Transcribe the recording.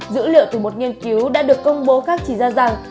dữ liệu từ một nghiên cứu đã được công bố khác chỉ ra rằng